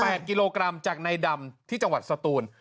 กิโลกรัมจากในดำที่จังหวัดสตูน